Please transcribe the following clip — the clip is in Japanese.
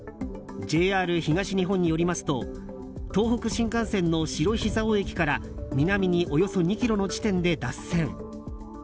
ＪＲ東日本によりますと東北新幹線の白石蔵王駅から南におよそ２ｋｍの地点で脱線。